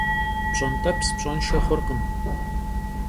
Pş'ent'eps pş'enşşe xhurkhım.